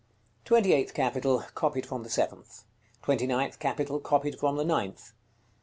§ CXXVI. TWENTY EIGHTH CAPITAL. Copied from the seventh. TWENTY NINTH CAPITAL. Copied from the ninth.